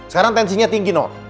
sekarang tensinya tinggi noh